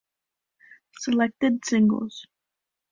Selected Singles